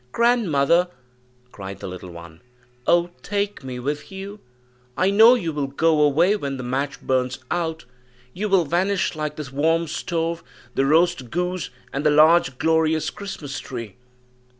"Grandmother," cried the little one, "O take me with you; I know you will go away when the match burns out; you will vanish like the warm stove, the roast goose, and the large, glorious Christmas tree."